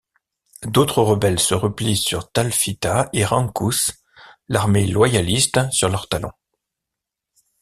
D'autres rebelles se replient sur Talfita et Rankous, l'armée loyaliste sur leurs talons.